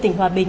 tỉnh hòa bình